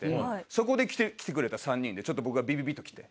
そこで来てくれた３人でちょっと僕がビビビッときて。